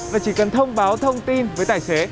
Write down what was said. và chỉ cần thông báo thông tin với tài xế